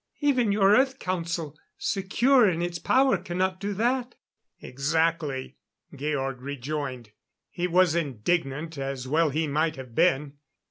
"Even your Earth Council, secure in its power, cannot do that." "Exactly," Georg rejoined. He was indignant, as well he might have been.